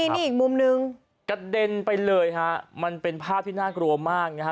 นี่อีกมุมนึงกระเด็นไปเลยฮะมันเป็นภาพที่น่ากลัวมากนะฮะ